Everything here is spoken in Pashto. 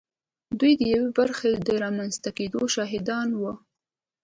دوی د یوې برخې د رامنځته کېدو شاهدان وو